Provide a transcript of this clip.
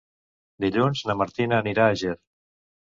Dilluns na Martina anirà a Ger.